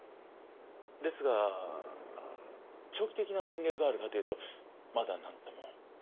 ですが長期的な戦略があるかというとまだなんとも。